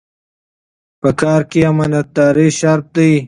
په کار کې امانتداري شرط ده.